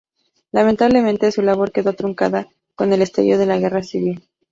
Lamentablemente, su labor quedó truncada con el estallido de la Guerra Civil.